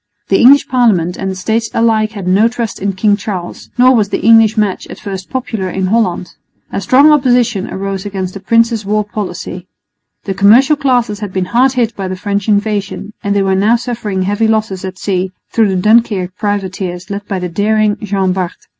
The English Parliament and the States alike had no trust in King Charles, nor was the English match at first popular in Holland. A strong opposition arose against the prince's war policy. The commercial classes had been hard hit by the French invasion, and they were now suffering heavy losses at sea through the Dunkirk privateers led by the daring Jean Bart.